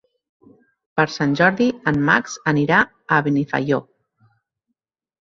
Per Sant Jordi en Max anirà a Benifaió.